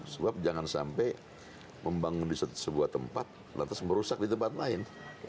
sebab jangan sampai membangun di sebuah tempat lantas merusak di tempat lain